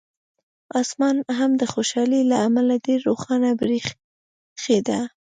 اسمان هم د خوشالۍ له امله ډېر روښانه برېښېده.